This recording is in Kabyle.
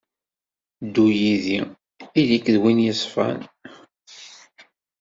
Ddu yid-i, ili-k d win yeṣfan.